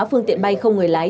phương tiện bay không người lái